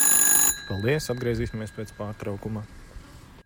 Paldies. Atgriezīsimies pēc pārtraukuma.